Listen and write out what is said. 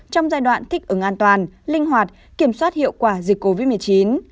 trong giai đoạn thích ứng an toàn linh hoạt kiểm soát hiệu quả dịch covid một mươi chín